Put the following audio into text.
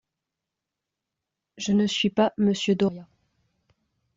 Je ne suis pas Monsieur Doria.